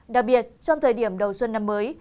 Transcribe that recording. đặc biệt trong thời điểm đầu xuân năm mới